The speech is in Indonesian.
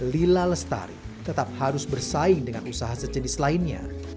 lila lestari tetap harus bersaing dengan usaha sejenis lainnya